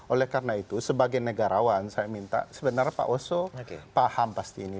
oleh karena itu sebagai negarawan saya minta sebenarnya pak oso paham pasti ini